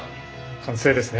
完成ですね。